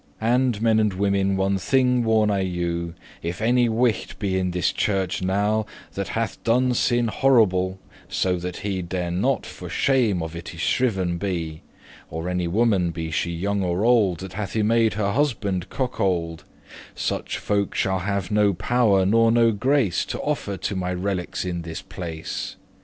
And, men and women, one thing warn I you; If any wight be in this churche now That hath done sin horrible, so that he Dare not for shame of it y shriven* be; *confessed Or any woman, be she young or old, That hath y made her husband cokewold,* *cuckold Such folk shall have no power nor no grace To offer to my relics in this place.